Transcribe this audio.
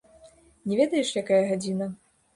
Не ведаеш, якая гадзіна?